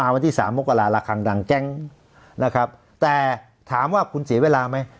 วันที่สามมกราละครั้งดังแก๊งนะครับแต่ถามว่าคุณเสียเวลาไหม